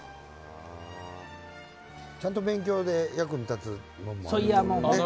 ちゃんと勉強で役に立つものもあるんですよね。